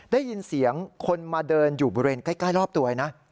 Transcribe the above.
ได้ยินเสียงคนมาเดินอยู่บริเวณใกล้รอบตัวเองนะ